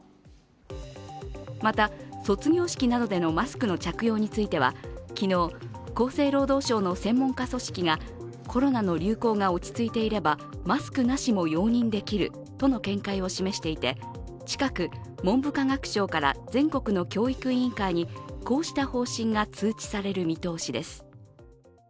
また、卒業式などでのマスクの着用については昨日、厚生労働省の専門家組織がコロナの流行が落ち着いていればマスクなしも容認できるとの見解を示していて近く文部科学省から全国の教育委員会にこうした方針が通知される見通しです。